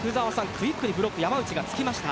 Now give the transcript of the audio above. クイックに山内がつきました。